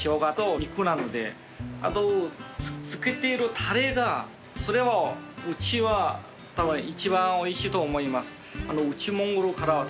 あとつけてるタレがそれはうちは一番おいしいと思います。